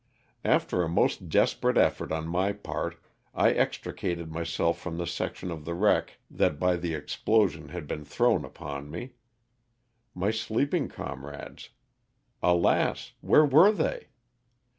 After a most desperate effort on my part I extri cated myself from the section of the wreck that by the explosion had been thrown upon me. My sleeping comrades. Alas! where were they?